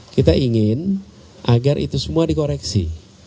kita ingin agar itu semua dikoreksi